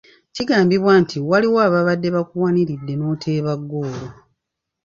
Kigambibwa nti waliwo ababadde bakuwaniridde n'oteeba ggoolo.